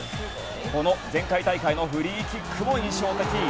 この前回大会のフリーキックも印象的。